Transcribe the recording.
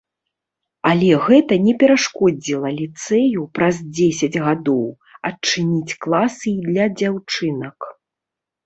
Але гэта не перашкодзіла ліцэю, праз дзесяць гадоў, адчыніць класы і для дзяўчынак.